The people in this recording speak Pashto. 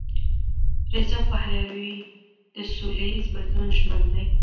رضا پهلوي د سولهییز بدلون ژمن دی.